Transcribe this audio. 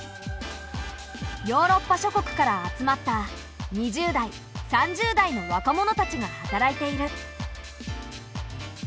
ヨーロッパ諸国から集まった２０代３０代の若者たちが働いている。